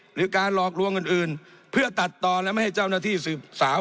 หรือการหลอกลวงอื่นเพื่อตัดต่อและไม่ให้เจ้าหน้าที่สืบสาว